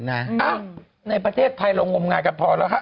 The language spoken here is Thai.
ในประเทศไทยเรางมงายกันพอแล้วฮะ